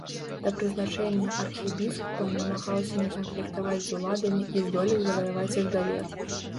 Да прызначэння архібіскупам намагаўся не канфліктаваць з уладамі і здолеў заваяваць іх давер.